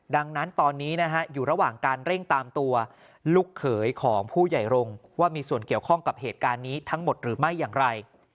ดังนั้นตอนนี้นะฮะอยู่ระหว่างการเร่งตามตัวลูกเขยของผู้ใหญ่รงค์ว่ามีส่วนเกี่ยวข้องกับเหตุการณ์นี้ทั้งหมดหรือไม่อย่างไร